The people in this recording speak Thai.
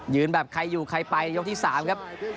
แบบใครอยู่ใครไปยกที่๓ครับ